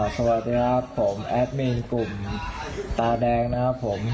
สวัสดีครับผมแอดมินกลุ่มตาแดงนะครับผม